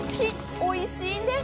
おいしいんです。